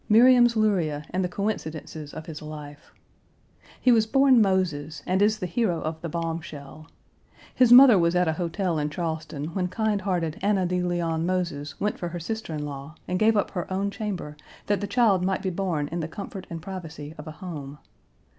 Miriam's Luryea and the coincidences of his life. He was born Moses, and is the hero of the bombshell. His mother was at a hotel in Charleston when kind hearted Anna De Leon Moses went for her sister in law, and gave up her own chamber, that the child might be born in the comfort and privacy of a home.